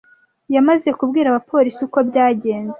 Yamaze kubwira abapolisi uko byagenze.